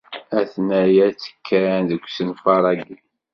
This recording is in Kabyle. Atna-ya ttekkan deg usenfaṛ-agi.